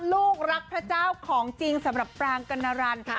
ลูกรักพระเจ้าของจริงสำหรับปรางกัณรันค่ะ